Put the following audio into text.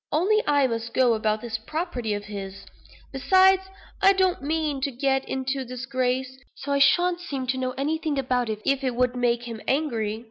Only I must go about this property of his. Besides, I don't mean to get into disgrace; so I shan't seem to know anything about it, if it would make him angry.